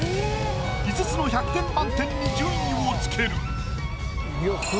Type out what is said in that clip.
５つの１００点満点に順位をつける！